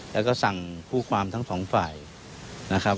แล้วก็สั่งคู่ความทั้งสองฝ่ายนะครับ